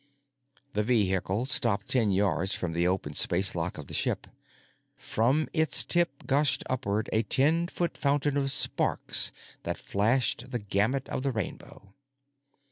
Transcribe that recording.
The vehicle stopped ten yards from the open spacelock of the ship. From its tip gushed upward a ten foot fountain of sparks that flashed the gamut of the rainbow.